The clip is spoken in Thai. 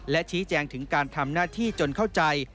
และชี้แจงถึงการทำหน้าที่จนเข้าใจ